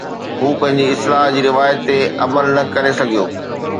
هو پنهنجي اصلاح جي روايت تي عمل نه ڪري سگهيو